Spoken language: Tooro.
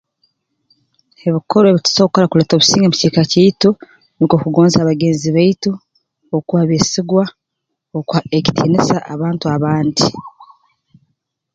Ebikorwa ebi tusobora kukora kuleeta obusinge mu kiikaro kyaitu nukwo kugonza bagenzi baitu okuba beesigwa okuha ekitiinisa abantu abandi